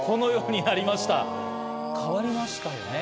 変わりましたよね。